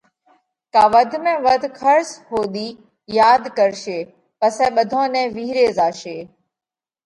ڪا وڌ ۾ وڌ کرس ۿُوڌِي ياڌ ڪرشي پسئہ ٻڌون نئہ وِيهري زاشي۔